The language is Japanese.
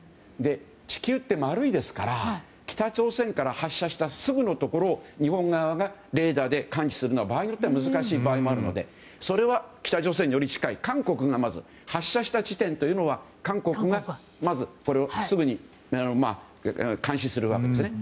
地球って丸いですから北朝鮮から発射したすぐのところを日本側がレーダーで感知するのは場合によっては難しい場合もあるのでそれは北朝鮮により近い韓国がまず発射下地点というのはまず、すぐにこれを監視するわけですね。